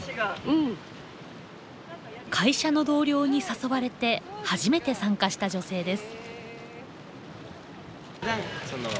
会社の同僚に誘われて初めて参加した女性です。